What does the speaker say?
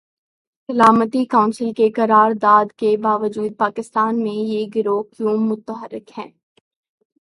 سلامتی کونسل کی قرارداد کے باجود پاکستان میں یہ گروہ کیوں متحرک ہیں؟